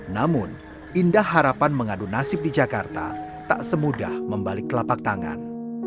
namun indah harapan mengadu nasib di jakarta tak semudah membalik telapak tangan